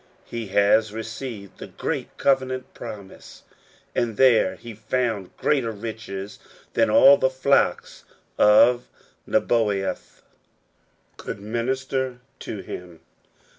He has received the great covenant promise, and there he found greater riches than all the flocks of Nebaioth could minister to him.